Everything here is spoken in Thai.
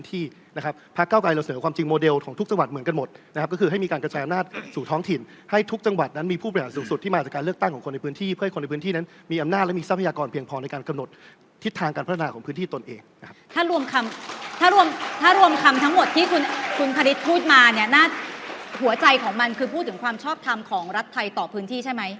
ถ้ารวมคำทั้งหมดที่คุณคฤทธิ์พูดมาหัวใจของมันคือพูดถึงความชอบทำของรัฐไทยต่อพื้นที่ใช่ไหม